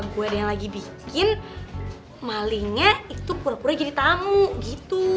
mungkin malingnya itu pura pura jadi tamu gitu